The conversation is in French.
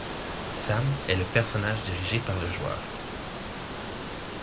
Sam est le personnage dirigé par le joueur.